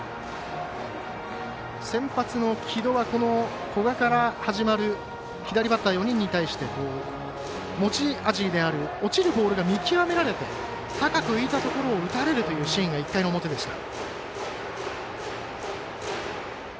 先発の城戸は、古閑から始まる左バッター４人に対して持ち味である落ちるボールが見極められて高く浮いたところを打たれるというシーンが１回の表でした。